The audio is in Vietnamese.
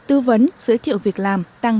tư vấn giới thiệu việc làm tăng